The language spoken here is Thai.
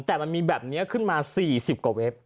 แต่มันมีแบบนี้ขึ้นมา๔๐กว่าเว็บ